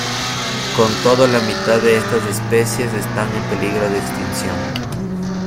Con todo, la mitad de estas especies están en peligro de extinción.